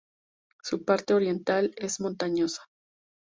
Su parte oriental es montañosa.